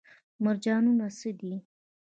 مرجانونه څه دي؟